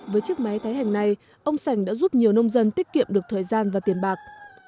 với chiếc máy tái hành này ông sành đã giúp nhiều nông dân tiết kiệm được thời gian và tiền bạc